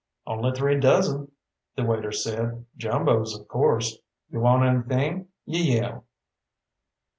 "Only three dozen," the waiter said. "Jumbos, of course. You want anything, you yell."